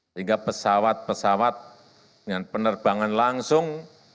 sehingga pesawat pesawat dengan penerbangan langsung